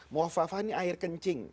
muhufafah ini air kencing